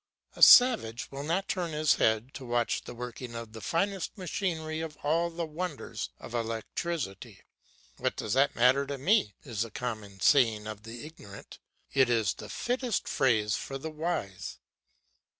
A savage will not turn his head to watch the working of the finest machinery or all the wonders of electricity. "What does that matter to me?" is the common saying of the ignorant; it is the fittest phrase for the wise.